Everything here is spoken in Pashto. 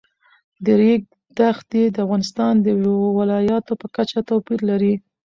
د ریګ دښتې د افغانستان د ولایاتو په کچه توپیر لري.